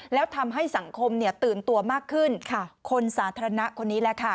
แล้วทำให้สังคมตื่นตัวมากขึ้นคนสาธารณะคนนี้แหละค่ะ